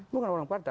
bukan orang partai